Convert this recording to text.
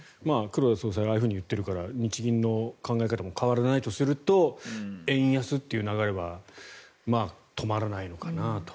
黒田総裁がああいうふうに言ってるから日銀の考え方も変わらないとすると円安という流れは止まらないのかなと。